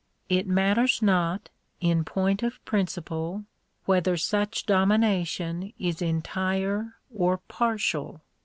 It matters not, in point of principle, whether such domination is entire or partial.